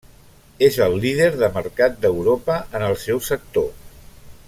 És el líder de mercat d'Europa en el seu sector.